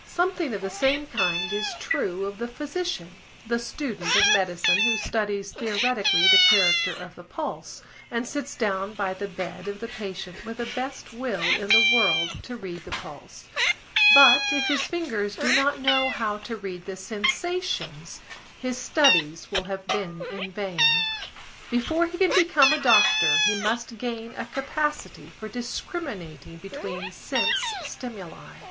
Something of the same kind is true of the physician, the student of medicine who studies theoretically the character of the pulse, and sits down by the bed of the patient with the best will in the world to read the pulse, but, if his fingers do not know how to read the sensations his studies will have been in vain. Before he can become a doctor, he must gain a capacity for discriminating between sense stimuli.